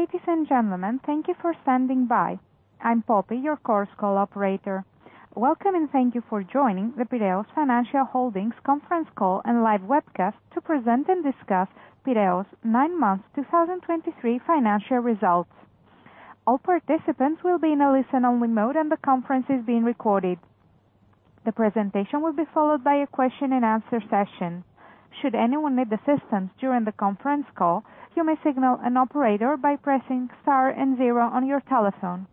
Ladies and gentlemen, thank you for standing by. I'm Poppy, your conference call operator. Welcome, and thank you for joining the Piraeus Financial Holdings conference call and live webcast to present and discuss Piraeus' Nine-Month 2023 Financial Results. All participants will be in a listen-only mode, and the conference is being recorded. The presentation will be followed by a question-and-answer session. Should anyone need assistance during the conference call, you may signal an operator by pressing star and zero on your telephone.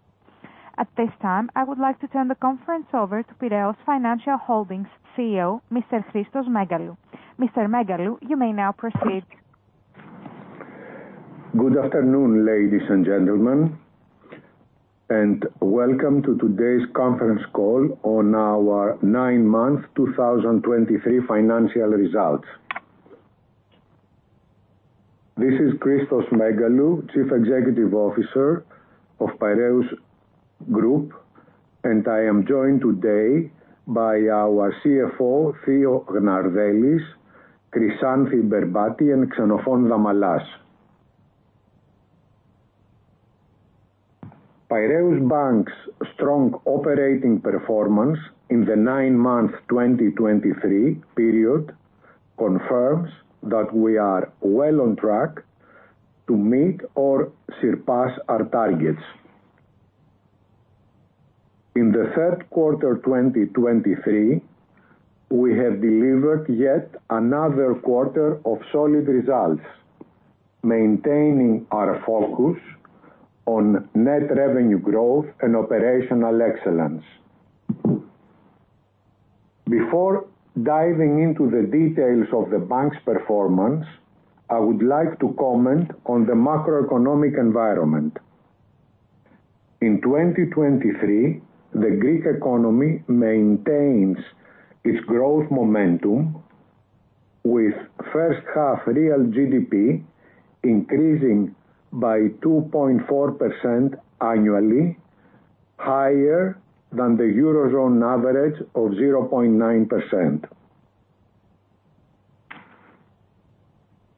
At this time, I would like to turn the conference over to Piraeus Financial Holdings CEO, Mr. Christos Megalou. Mr. Megalou, you may now proceed. Good afternoon, ladies and gentlemen, and welcome to today's conference call on our nine-month 2023 financial results. This is Christos Megalou, Chief Executive Officer of Piraeus Group, and I am joined today by our CFO, Theo Gnardellis, Chryssanthi Berbati, and Xenofon Damalas. Piraeus Bank's strong operating performance in the nine-month 2023 period confirms that we are well on track to meet or surpass our targets. In the third quarter 2023, we have delivered yet another quarter of solid results, maintaining our focus on net revenue growth and operational excellence. Before diving into the details of the bank's performance, I would like to comment on the macroeconomic environment. In 2023, the Greek economy maintains its growth momentum, with first half real GDP increasing by 2.4% annually, higher than the Eurozone average of 0.9%.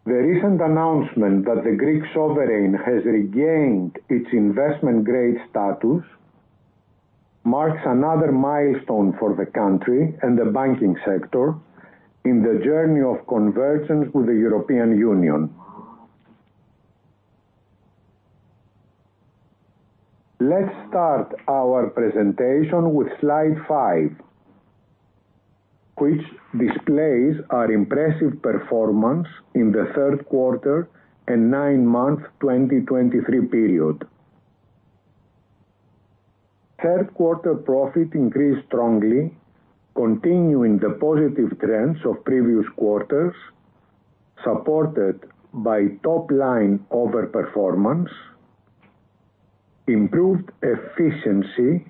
The recent announcement that the Greek sovereign has regained its investment grade status marks another milestone for the country and the banking sector in the journey of convergence with the European Union. Let's start our presentation with slide five, which displays our impressive performance in the third quarter and nine-month 2023 period. Third quarter profit increased strongly, continuing the positive trends of previous quarters, supported by top-line overperformance, improved efficiency,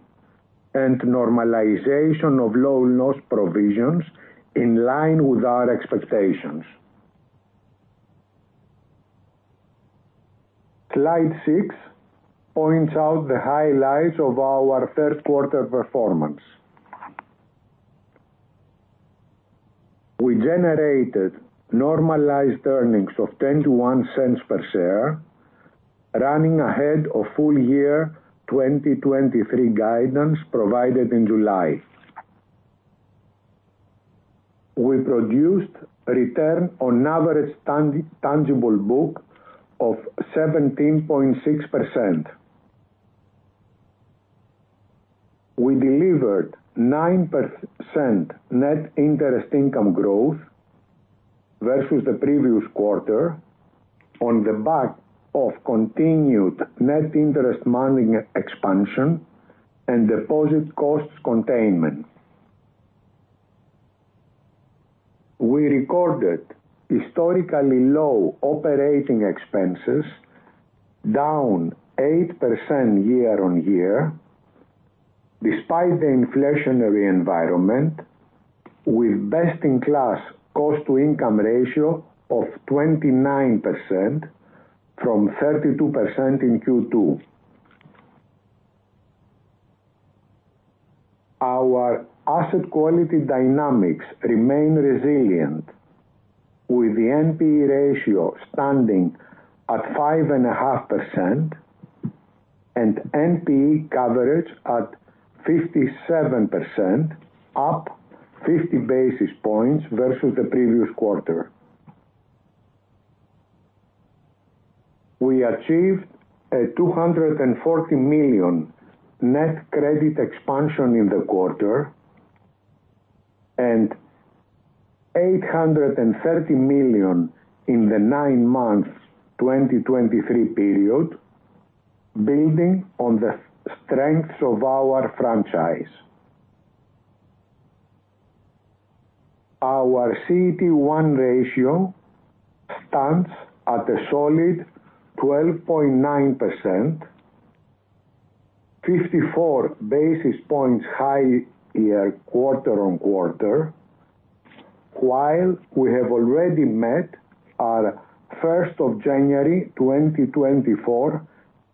and normalization of loan loss provisions in line with our expectations. Slide 6 points out the highlights of our third quarter performance. We generated normalized earnings of 0.21 EUR per share, running ahead of full-year 2023 guidance provided in July. We produced return on average tangible book of 17.6%. We delivered 9% net interest income growth versus the previous quarter on the back of continued net interest margin expansion and deposit costs containment. We recorded historically low operating expenses, down 8% year on year, despite the inflationary environment, with best-in-class cost-to-income ratio of 29% from 32% in Q2. Our asset quality dynamics remain resilient, with the NPE ratio standing at 5.5% and NPE coverage at 57%, up 50 basis points versus the previous quarter. We achieved a 240 million net credit expansion in the quarter and 830 million in the nine-month 2023 period, building on the strengths of our franchise. Our CET1 ratio stands at a solid 12.9%, 54 basis points higher quarter-on-quarter, while we have already met our January 1, 2024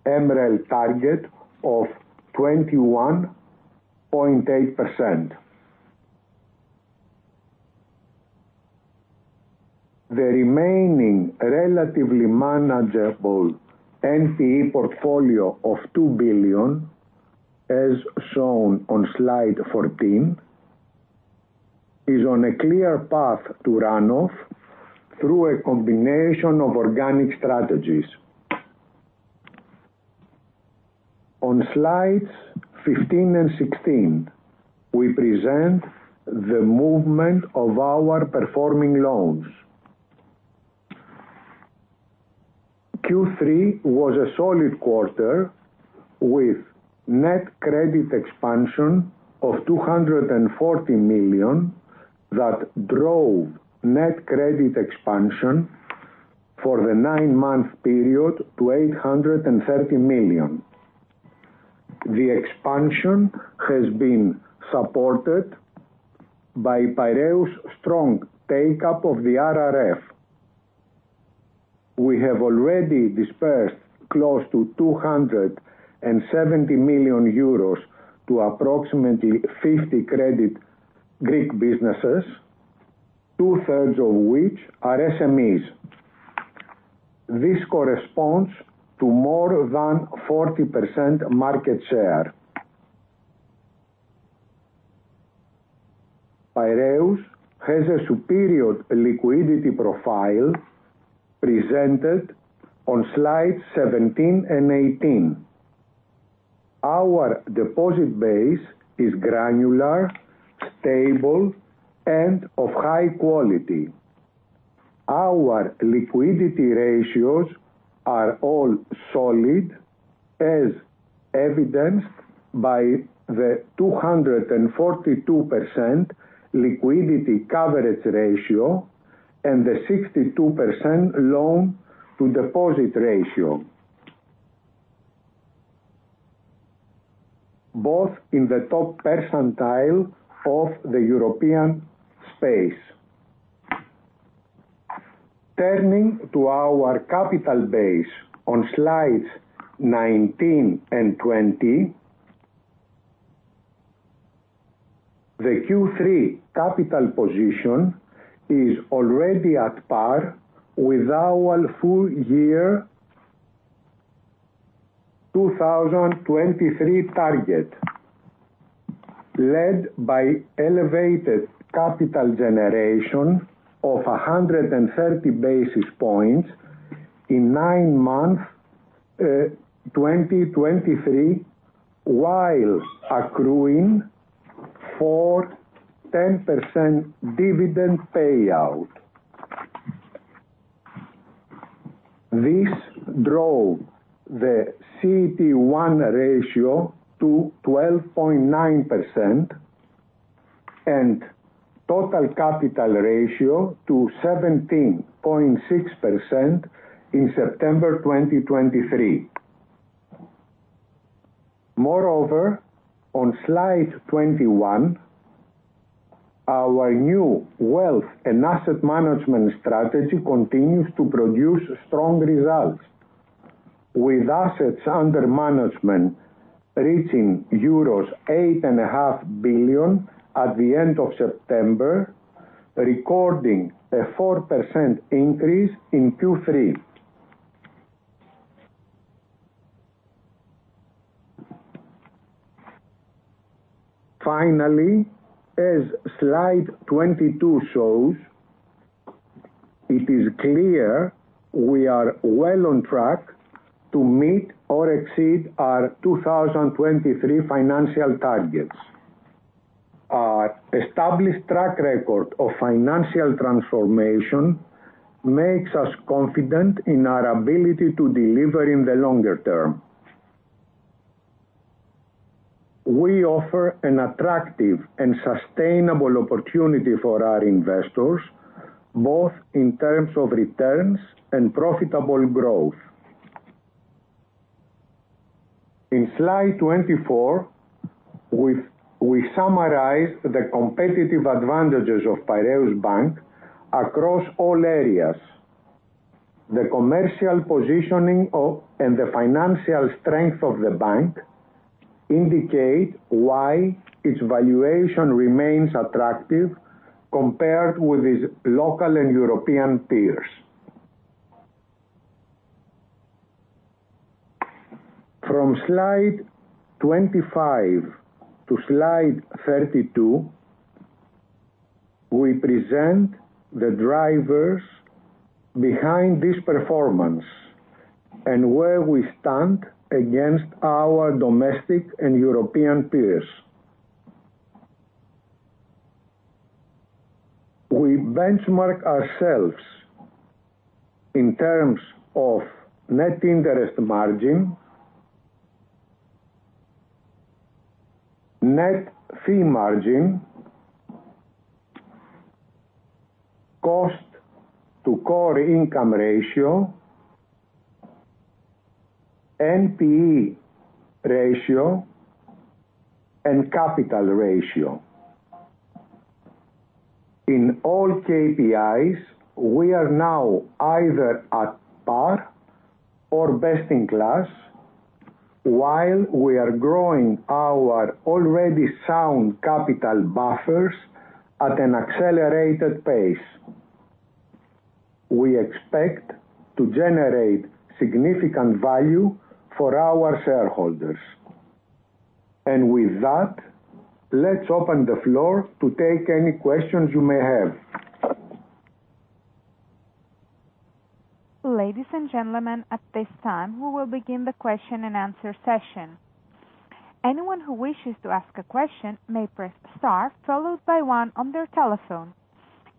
MREL target of 21.8%. The remaining relatively manageable NPE portfolio of 2 billion, as shown on slide 14, is on a clear path to run off through a combination of organic strategies. On slides 15 and 16, we present the movement of our performing loans. Q3 was a solid quarter, with net credit expansion of 240 million, that drove net credit expansion for the nine-month period to 830 million. The expansion has been supported by Piraeus' strong take-up of the RRF. We have already disbursed close to 270 million euros to approximately 50 credit Greek businesses, two-thirds of which are SMEs. This corresponds to more than 40% market share. Piraeus has a superior liquidity profile presented on slides 17 and 18. Our deposit base is granular, stable, and of high quality. Our liquidity ratios are all solid, as evidenced by the 242% liquidity coverage ratio and the 62% loan-to-deposit ratio. Both in the top percentile of the European space. Turning to our capital base on slides 19 and 20, the Q3 capital position is already at par with our full year 2023 target, led by elevated capital generation of 130 basis points in nine months, twenty twenty-three, while accruing for 10% dividend payout. This drove the CET1 ratio to 12.9% and total capital ratio to 17.6% in September 2023. Moreover, on slide 21, our new wealth and asset management strategy continues to produce strong results, with assets under management reaching euros 8.5 billion at the end of September, recording a 4% increase in Q3. Finally, as slide 22 shows, it is clear we are well on track to meet or exceed our 2023 financial targets. Our established track record of financial transformation makes us confident in our ability to deliver in the longer term. We offer an attractive and sustainable opportunity for our investors, both in terms of returns and profitable growth. In slide 24, we summarize the competitive advantages of Piraeus Bank across all areas. The commercial positioning of, and the financial strength of the bank indicate why its valuation remains attractive compared with its local and European peers. From slide 25 to slide 32, we present the drivers behind this performance and where we stand against our domestic and European peers. We benchmark ourselves in terms of Net Interest Margin, Net Fee Margin, Cost-to-Income Ratio, NPE Ratio, and Capital Ratio. In all KPIs, we are now either at par or best-in-class, while we are growing our already sound capital buffers at an accelerated pace. We expect to generate significant value for our shareholders. With that, let's open the floor to take any questions you may have. Ladies and gentlemen, at this time, we will begin the question and answer session. Anyone who wishes to ask a question may press star, followed by one on their telephone.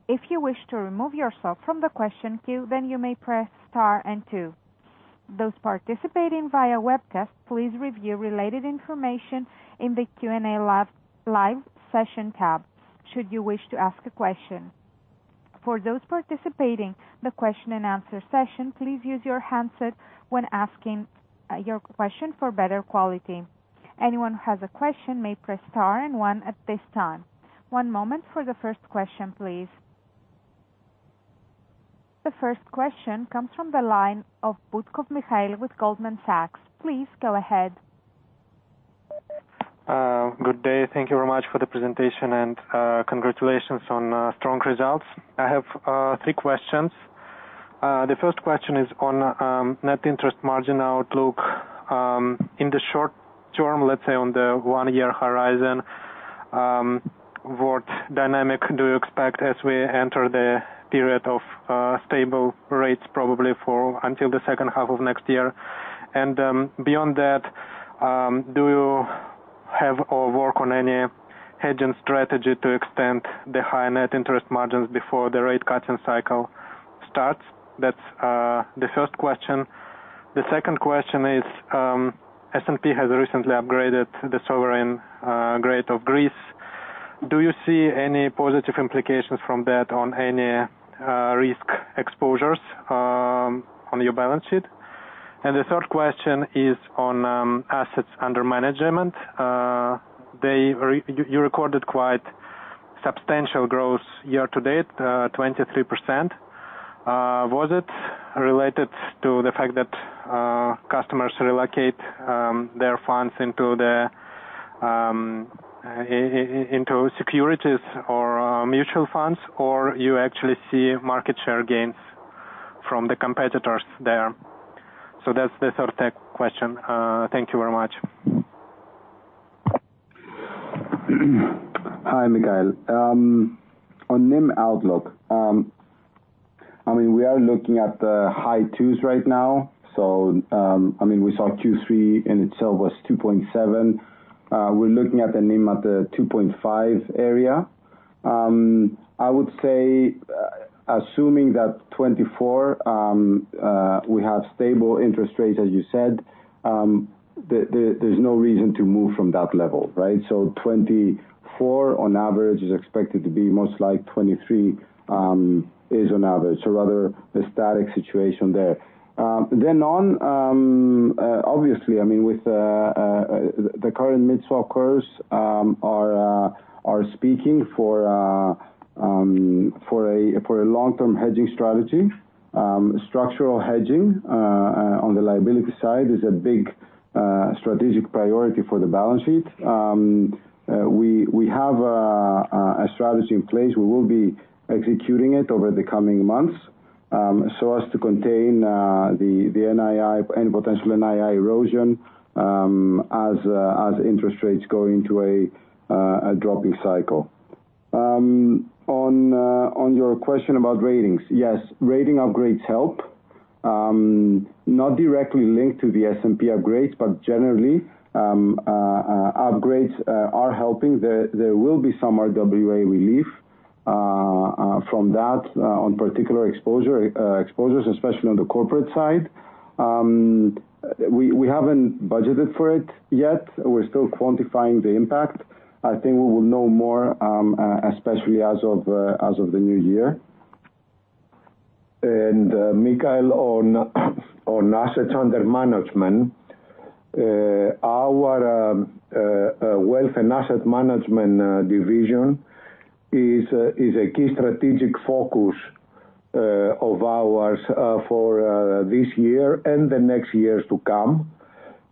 If you wish to remove yourself from the question queue, then you may press star and two. Those participating via webcast, please review related information in the Q&A live session tab, should you wish to ask a question. For those participating the question and answer session, please use your handset when asking your question for better quality. Anyone who has a question may press star and one at this time. One moment for the first question, please. The first question comes from the line of Mikhail Butkov with Goldman Sachs. Please go ahead. Good day. Thank you very much for the presentation, and congratulations on strong results. I have three questions. The first question is on net interest margin outlook. In the short term, let's say on the one-year horizon, what dynamic do you expect as we enter the period of stable rates, probably for until the second half of next year? And beyond that, do you have or work on any hedging strategy to extend the high net interest margins before the rate cutting cycle starts? That's the first question. The second question is, S&P has recently upgraded the sovereign grade of Greece. Do you see any positive implications from that on any risk exposures on your balance sheet? The third question is on assets under management. You recorded quite substantial growth year to date, 23%. Was it related to the fact that customers relocate their funds into securities or mutual funds, or you actually see market share gains from the competitors there? So that's the third question. Thank you very much. Hi, Mikhail. On NIM outlook, I mean, we are looking at the high-twos right now. So, I mean, we saw Q3 in itself was 2.7%. We're looking at the NIM at the 2.5% area. I would say, assuming that 2024, we have stable interest rates, as you said, the, there's no reason to move from that level, right? So 2024 on average is expected to be most like 2023, is on average, so rather a static situation there. Then on obviously, I mean, with the current midswaps curves are speaking for a long-term hedging strategy. Structural hedging on the liability side is a big strategic priority for the balance sheet. We have a strategy in place. We will be executing it over the coming months, so as to contain the NII and potential NII erosion, as interest rates go into a dropping cycle. On your question about ratings, yes, rating upgrades help, not directly linked to the S&P upgrades, but generally, upgrades are helping. There will be some RWA relief from that, on particular exposures, especially on the corporate side. We haven't budgeted for it yet. We're still quantifying the impact. I think we will know more, especially as of the new year. Mikhail, on assets under management, our wealth and asset management division is a key strategic focus of ours for this year and the next years to come.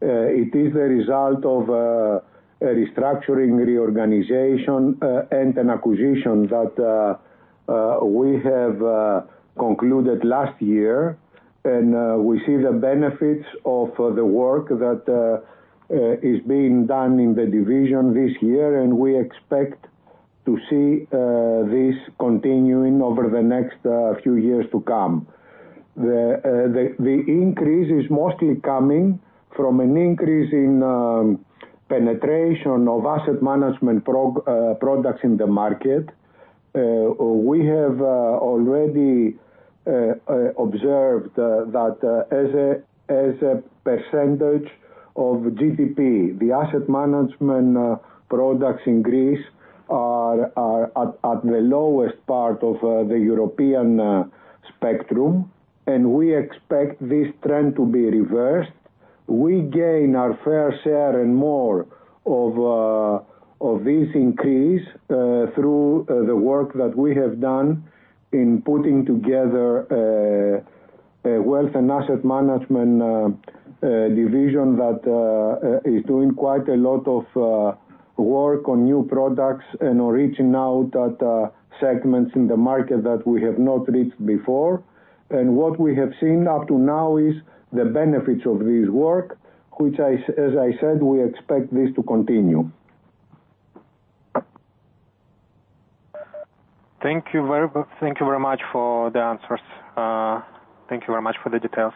It is a result of a restructuring, reorganization, and an acquisition that we have concluded last year, and we see the benefits of the work that is being done in the division this year, and we expect to see this continuing over the next few years to come. The increase is mostly coming from an increase in penetration of asset management products in the market. We have already observed that as a percentage of GDP, the asset management products in Greece are at the lowest part of the European spectrum, and we expect this trend to be reversed. We gain our fair share and more of- of this increase, through the work that we have done in putting together a wealth and asset management division that is doing quite a lot of work on new products and are reaching out at segments in the market that we have not reached before. What we have seen up to now is the benefits of this work, which I, as I said, we expect this to continue. Thank you very, thank you very much for the answers. Thank you very much for the details.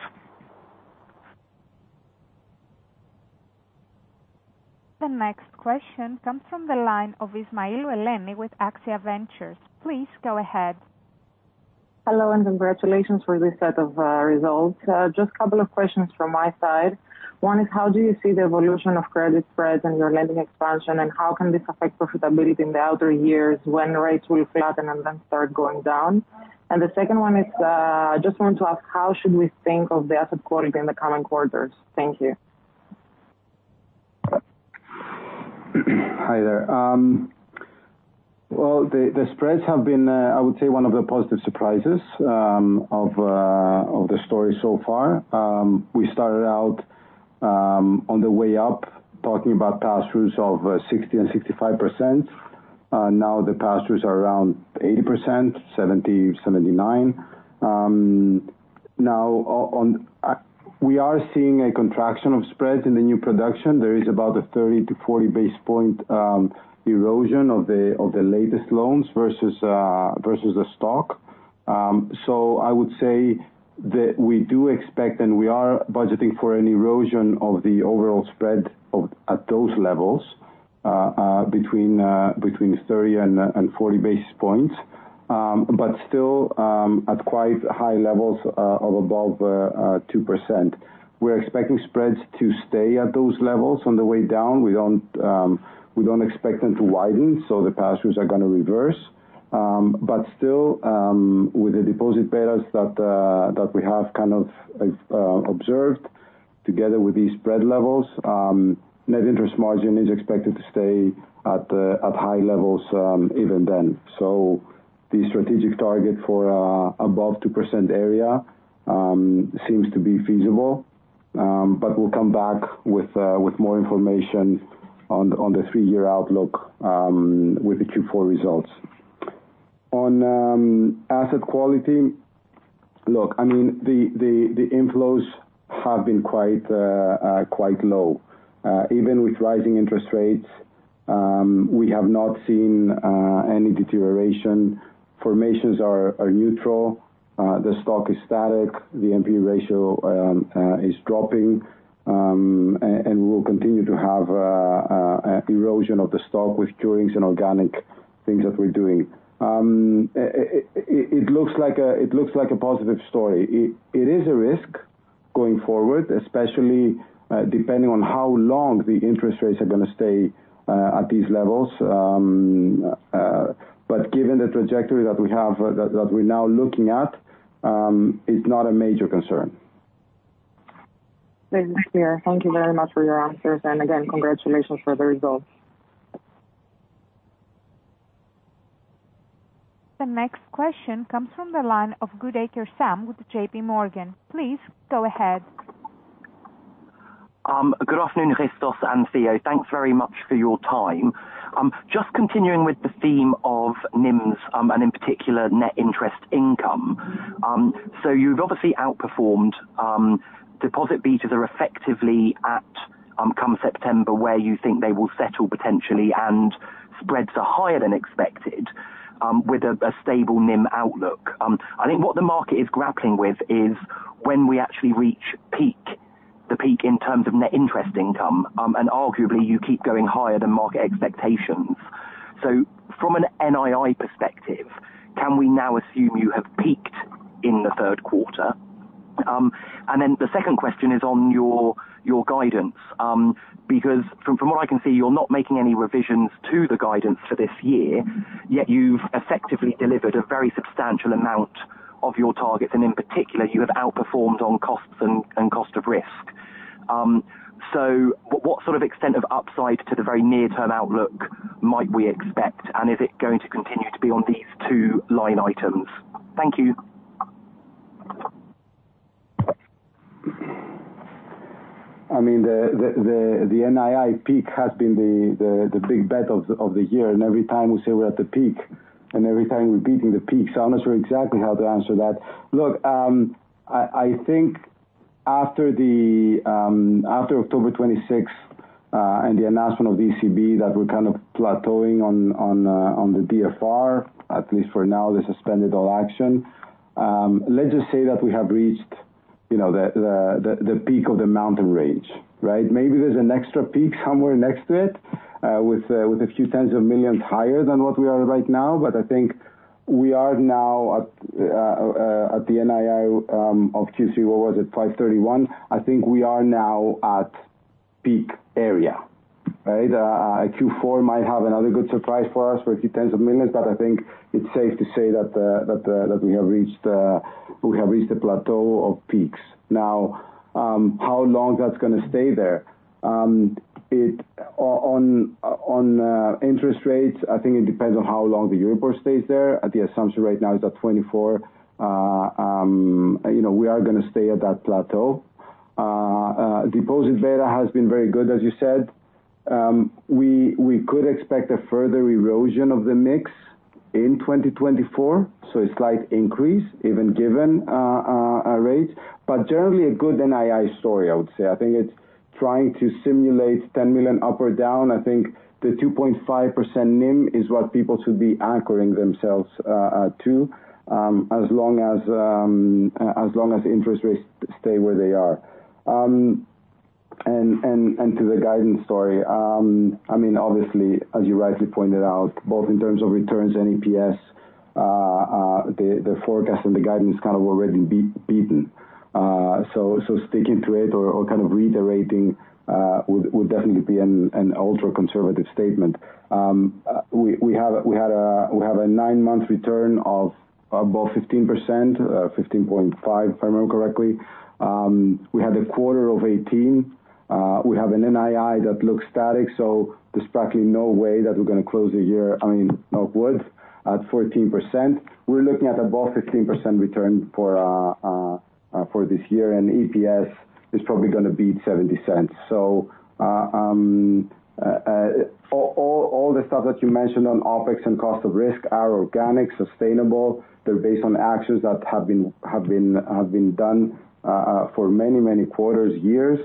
The next question comes from the line of Eleni Ismailou with Axia Ventures. Please go ahead. Hello, and congratulations for this set of results. Just couple of questions from my side. One is, how do you see the evolution of credit spreads and your lending expansion, and how can this affect profitability in the outer years when rates will flatten and then start going down? And the second one is, I just wanted to ask, how should we think of the asset quality in the coming quarters? Thank you. Hi, there. Well, the spreads have been, I would say, one of the positive surprises of the story so far. We started out on the way up, talking about pass-throughs of 60 and 65%. Now the pass-throughs are around 80%, 70%, 79%. Now, on we are seeing a contraction of spreads in the new production. There is about a 30-40 basis point erosion of the latest loans versus the stock. So I would say that we do expect, and we are budgeting for an erosion of the overall spread of, at those levels, between 30 and 40 basis points. But still, at quite high levels of above 2%. We're expecting spreads to stay at those levels on the way down. We don't, we don't expect them to widen, so the pass-throughs are gonna reverse. But still, with the deposit payoffs that, that we have kind of, observed, together with these spread levels, net interest margin is expected to stay at, at high levels, even then. So the strategic target for, above 2% area, seems to be feasible. But we'll come back with, with more information on the, on the three-year outlook, with the Q4 results. On, asset quality, look, I mean, the, the, the inflows have been quite, quite low. Even with rising interest rates, we have not seen, any deterioration. Formations are neutral, the stock is static, the NP ratio is dropping, and we'll continue to have erosion of the stock with curings and organic things that we're doing. It looks like a positive story. It is a risk going forward, especially depending on how long the interest rates are gonna stay at these levels. But given the trajectory that we have, that we're now looking at, it's not a major concern. Thank you, clear. Thank you very much for your answers. Again, congratulations for the results. The next question comes from the line of Goodacre Sam with JPMorgan. Please go ahead. Good afternoon, Christos and Theo. Thanks very much for your time. Just continuing with the theme of NIMs, and in particular, net interest income. So you've obviously outperformed, deposit betas are effectively at, come September, where you think they will settle potentially, and spreads are higher than expected, with a stable NIM outlook. I think what the market is grappling with is when we actually reach peak, the peak in terms of net interest income, and arguably you keep going higher than market expectations. So from an NII perspective, can we now assume you have peaked in the third quarter? And then the second question is on your, your guidance, because from, from what I can see, you're not making any revisions to the guidance for this year, yet you've effectively delivered a very substantial amount of your targets, and in particular, you have outperformed on costs and, and cost of risk. So what, what sort of extent of upside to the very near-term outlook might we expect, and is it going to continue to be on these two line items? Thank you. I mean, the NII peak has been the big bet of the year, and every time we say we're at the peak, and every time we're beating the peak, so I'm not sure exactly how to answer that. Look, I think after October twenty-sixth, and the announcement of ECB, that we're kind of plateauing on the DFR, at least for now, they suspended all action. Let's just say that we have reached, you know, the peak of the mountain range, right? Maybe there's an extra peak somewhere next to it, with a few tens of millions higher than what we are right now, but I think we are now at the NII of Q3, what was it? 531 million. I think we are now at peak area, right? Q4 might have another good surprise for us for a few tens of millions EUR, but I think it's safe to say that we have reached a plateau of peaks. Now, how long that's gonna stay there? On interest rates, I think it depends on how long the Euribor stays there. The assumption right now is at 24. You know, we are gonna stay at that plateau. Deposit beta has been very good, as you said. We could expect a further erosion of the mix in 2024, so a slight increase, even given a rate, but generally a good NII story, I would say. I think it's trying to simulate 10 million up or down. I think the 2.5% NIM is what people should be anchoring themselves to as long as interest rates stay where they are. And to the guidance story, I mean, obviously, as you rightly pointed out, both in terms of returns and EPS, the forecast and the guidance kind of already beaten. So sticking to it or kind of reiterating would definitely be an ultra-conservative statement. We have a nine-month return of about 15%, 15.5, if I remember correctly. We had a quarter of 18. We have an NII that looks static, so there's practically no way that we're gonna close the year, I mean, upwards at 14%. We're looking at about 15% return for this year, and EPS is probably gonna beat 0.70. So, all the stuff that you mentioned on OpEx and cost of risk are organic, sustainable. They're based on actions that have been done for many, many quarters, years.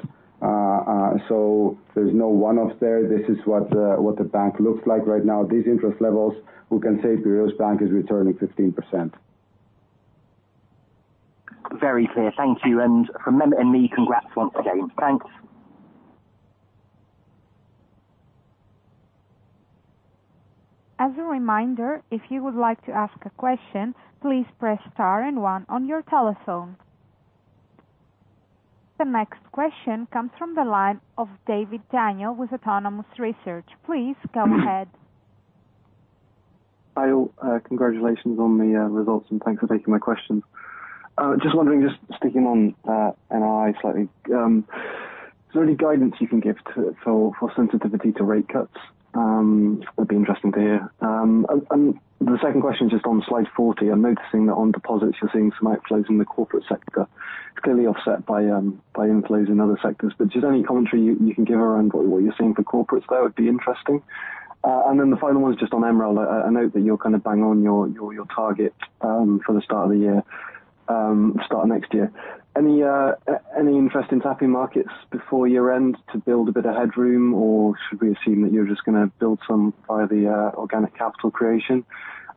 So there's no one-off there. This is what the bank looks like right now. At these interest levels, we can say Piraeus Bank is returning 15%. Very clear. Thank you, and from me, congrats once again. Thanks. As a reminder, if you would like to ask a question, please press star and one on your telephone. The next question comes from the line of Daniel David with Autonomous Research. Please go ahead. Hi, all. Congratulations on the results, and thanks for taking my questions. Just wondering, just sticking on NII slightly, is there any guidance you can give for sensitivity to rate cuts? That'd be interesting to hear. And the second question, just on slide 40, I'm noticing that on deposits, you're seeing some outflows in the corporate sector. It's clearly offset by inflows in other sectors, but just any commentary you can give around what you're seeing for corporates there would be interesting. And then the final one is just on MREL. I note that you're kind of bang on your target for the start of the year, start of next year. Any interest in tapping markets before year end to build a bit of headroom, or should we assume that you're just gonna build some via the organic capital creation?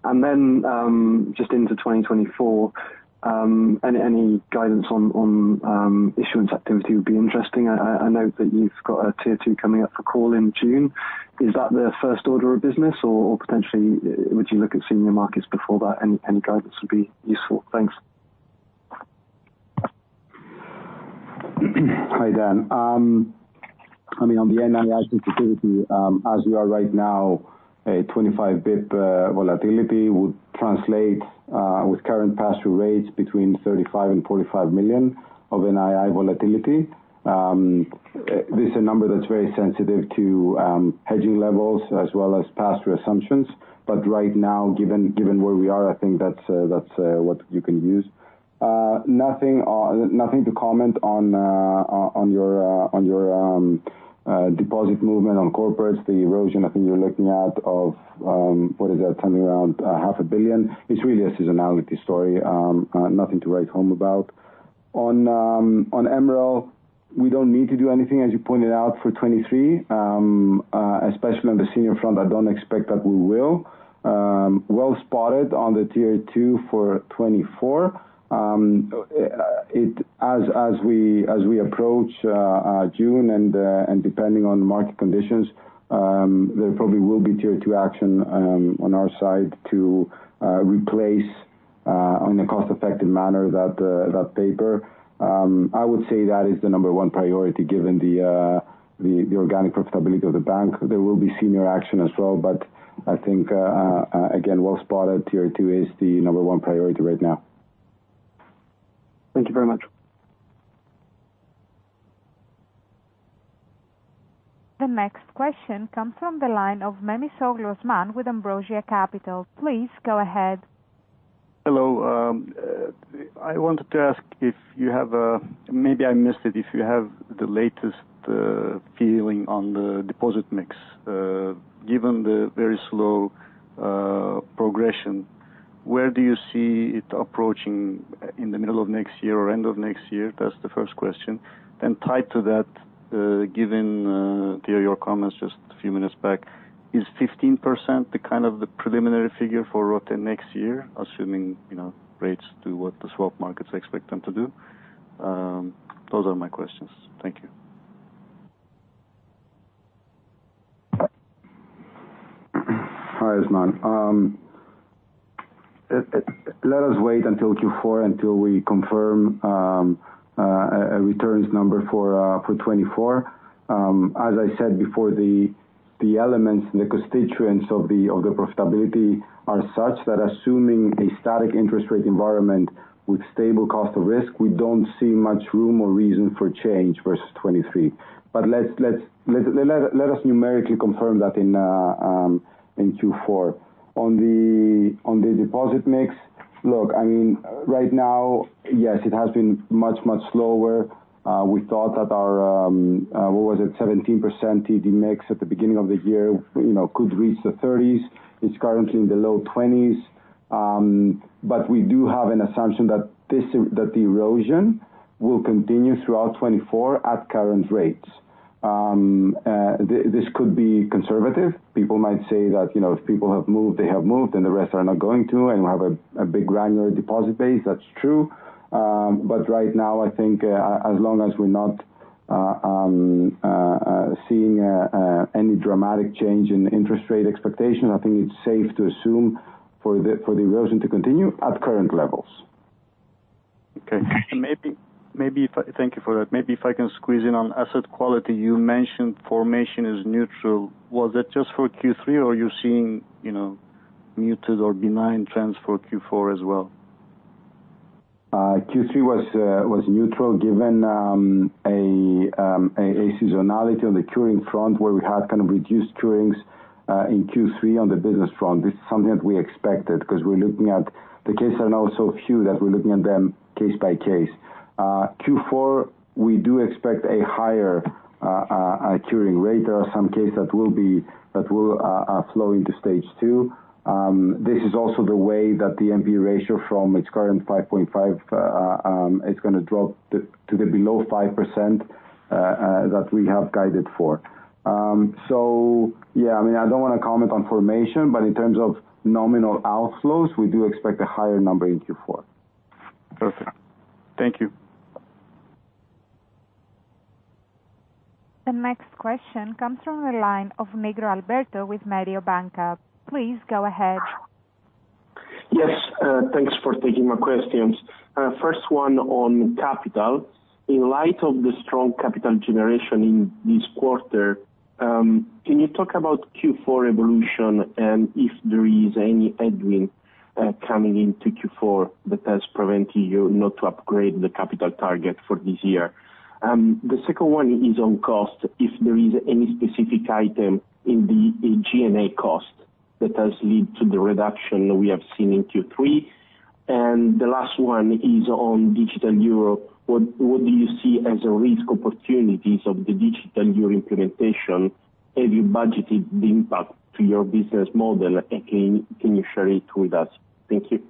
And then, just into 2024, any guidance on issuance activity would be interesting. I note that you've got a Tier 2 coming up for call in June. Is that the first order of business, or potentially, would you look at senior markets before that? Any guidance would be useful. Thanks. Hi, Dan. I mean, on the NII sensitivity, as we are right now, a 25 basis points volatility would translate with current pass-through rates between 35 million and 45 million of NII volatility. This is a number that's very sensitive to hedging levels as well as pass-through assumptions. But right now, given where we are, I think that's what you can use. Nothing to comment on your deposit movement on corporates. The erosion, I think you're looking at of what is that? Something around 500 million. It's really a seasonality story, nothing to write home about. On MREL, we don't need to do anything, as you pointed out, for 2023. Especially on the senior front, I don't expect that we will. Well spotted on the Tier 2 for 2024. As we approach June, and depending on market conditions, there probably will be Tier 2 action on our side to replace on a cost-effective manner, that paper. I would say that is the number one priority, given the organic profitability of the bank. There will be senior action as well, but I think, again, well spotted. Tier 2 is the number-one priority right now. Thank you very much. The next question comes from the line of Osman Memisoglu with Ambrosia Capital. Please go ahead. Hello. I wanted to ask if you have, maybe I missed it, if you have the latest feeling on the deposit mix. Given the very slow progression, where do you see it approaching in the middle of next year or end of next year? That's the first question. Then tied to that, given to your comments just a few minutes back, is 15% the kind of the preliminary figure for ROTBV next year, assuming, you know, rates do what the swap markets expect them to do? Those are my questions. Thank you. Hi, Osman. Let us wait until Q4 until we confirm a returns number for 2024. As I said before, the elements and the constituents of the profitability are such that assuming a static interest rate environment with stable cost of risk, we don't see much room or reason for change versus 2023. But let us numerically confirm that in Q4. On the deposit mix, look, I mean, right now, yes, it has been much slower. We thought that our 17% TD mix at the beginning of the year, you know, could reach the thirties. It's currently in the low twenties. But we do have an assumption that the erosion will continue throughout 2024 at current rates. This could be conservative. People might say that, you know, if people have moved, they have moved, and the rest are not going to, and we have a big granular deposit base. That's true. But right now, I think, as long as we're not seeing any dramatic change in interest rate expectation, I think it's safe to assume for the erosion to continue at current levels. Okay. Thank you for that. Maybe if I can squeeze in on asset quality. You mentioned inflation is neutral. Was that just for Q3, or are you seeing, you know, muted or benign trends for Q4 as well? Q3 was neutral, given a seasonality on the curing front, where we had kind of reduced curings in Q3 on the business front. This is something that we expected, 'cause we're looking at the cases are now so few that we're looking at them case by case. Q4, we do expect a higher curing rate. There are some cases that will flow into stage two. This is also the way that the NP ratio from its current 5.5 is gonna drop to below 5% that we have guided for. So yeah, I mean, I don't wanna comment on formation, but in terms of nominal outflows, we do expect a higher number in Q4. Perfect. Thank you. The next question comes from the line of Alberto Nigro with Mediobanca. Please go ahead. Yes, thanks for taking my questions. First one on capital. In light of the strong capital generation in this quarter, can you talk about Q4 evolution, and if there is any headwind coming into Q4 that has prevented you not to upgrade the capital target for this year? The second one is on cost, if there is any specific item in G&A cost that has led to the reduction we have seen in Q3. And the last one is on digital euro. What do you see as a risk opportunities of the digital euro implementation? Have you budgeted the impact to your business model, and can you share it with us? Thank you.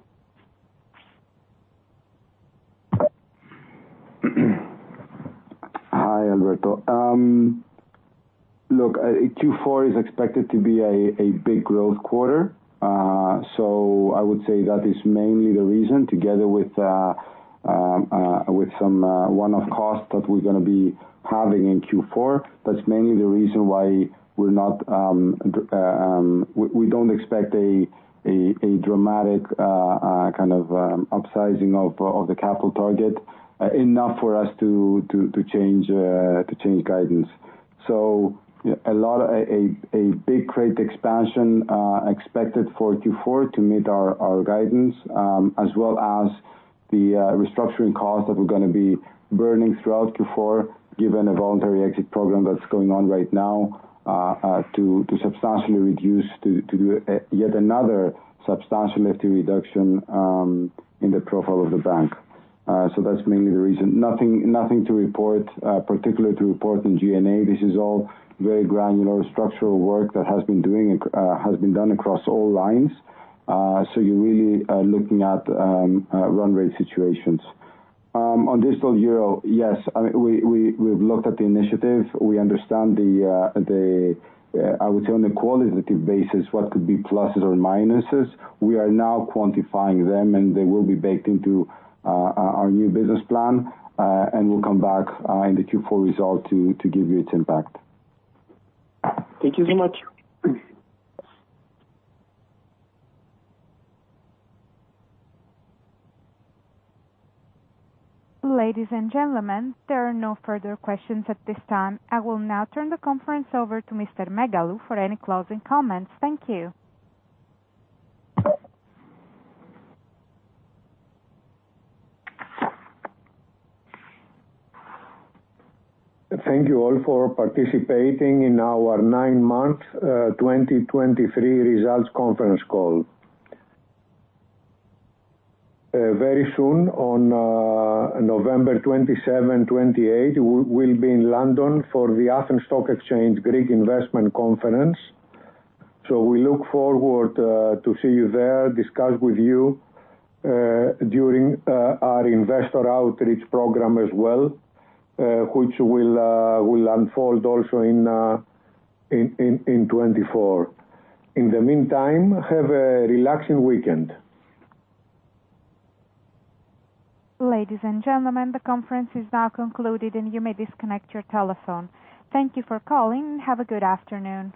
Hi, Alberto. Look, Q4 is expected to be a big growth quarter. So I would say that is mainly the reason, together with, with some one-off costs that we're gonna be having in Q4. That's mainly the reason why we're not, we don't expect a dramatic kind of upsizing of the capital target, enough for us to change guidance. So a big credit expansion expected for Q4 to meet our guidance, as well as the restructuring costs that we're gonna be burning throughout Q4, given a voluntary exit program that's going on right now, to substantially reduce, to do yet another substantial FT reduction in the profile of the bank. So that's mainly the reason. Nothing, nothing to report, particularly to report in G&A. This is all very granular structural work that has been doing, has been done across all lines. So you're really, looking at, run rate situations. On digital euro, yes, I mean, we, we, we've looked at the initiative. We understand the, the, I would say on the qualitative basis, what could be pluses or minuses. We are now quantifying them, and they will be baked into, our new business plan, and we'll come back, in the Q4 result to, to give you its impact. Thank you so much. Ladies and gentlemen, there are no further questions at this time. I will now turn the conference over to Mr. Megalou for any closing comments. Thank you. Thank you all for participating in our nine-month 2023 results conference call. Very soon, on November 27-28, we'll be in London for the Athens Stock Exchange Greek Investment Conference. So we look forward to see you there, discuss with you during our investor outreach program as well, which will unfold also in 2024. In the meantime, have a relaxing weekend. Ladies and gentlemen, the conference is now concluded, and you may disconnect your telephone. Thank you for calling. Have a good afternoon.